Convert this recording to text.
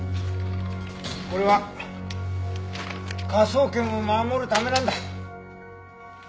これは科捜研を守るためなんだ。